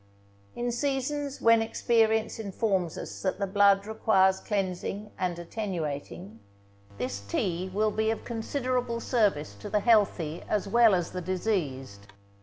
In seasons when experience informs us that the blood requires cleansing and attenuating, this tea will be of considerable service to the healthy as well as the diseased.